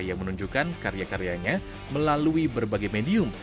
ia menunjukkan karya karyanya melalui berbagai medium